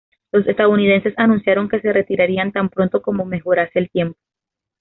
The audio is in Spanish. Los estadounidenses anunciaron que se retirarían tan pronto como mejorase el tiempo.